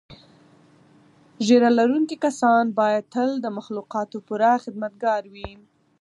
ږیره لرونکي کسان باید تل د مخلوقاتو پوره خدمتګار وي.